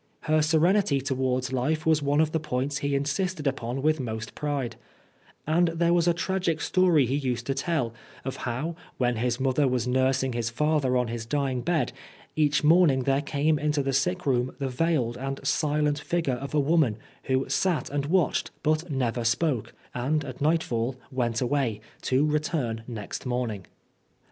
Her serenity towards life was one of the points he insisted upon with most pride, and there was a tragic story he used to tell of how, when his mother was nursing his father on his dying bed, each morning there came into the sick room the veiled and silent figure of a woman who sat and watched but never spoke, and at nightfall went away, to 76 Oscar Wilde return next morning.